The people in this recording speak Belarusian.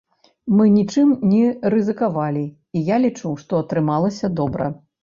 Мы нічым не рызыкавалі, і я лічу, што атрымалася добра.